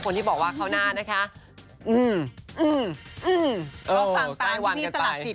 ก็ฟังตามพี่สลัดจิต